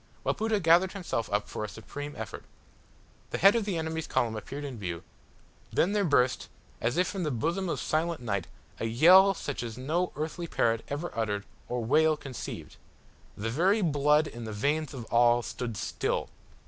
Wapoota gathered himself up for a supreme effort. The head of the enemy's column appeared in view then there burst, as if from the bosom of silent night, a yell such as no earthly parrot ever uttered or whale conceived. The very blood in the veins of all stood still.